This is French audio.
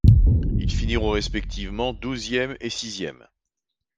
Ils finiront respectivement douzième et sixième.